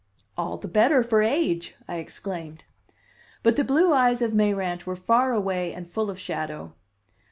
"All the better for age," I exclaimed. But the blue eyes of Mayrant were far away and full of shadow.